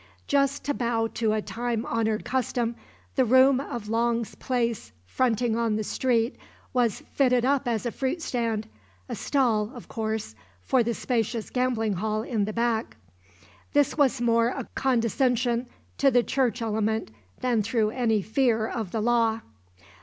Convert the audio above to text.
Just to bow to a time honored custom, the room of Long's place fronting on the street was fitted up as a fruit stand a stall, of course, for the spacious gambling hall in the back. This was more a condescension to the church element than through any fear of the law.